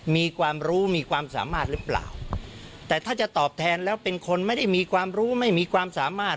มีความรู้มีความสามารถหรือเปล่าแต่ถ้าจะตอบแทนแล้วเป็นคนไม่ได้มีความรู้ไม่มีความสามารถ